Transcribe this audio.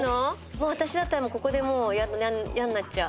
もう私だったらここでもう嫌になっちゃう。